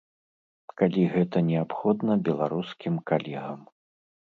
Калі гэта неабходна беларускім калегам.